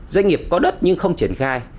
doanh nghiệp có đất nhưng không triển khai